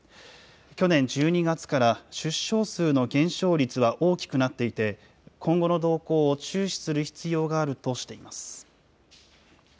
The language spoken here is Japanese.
去年１２月から出生数の減少率は大きくなっていて、今後の動向を注視する必要があるとしています。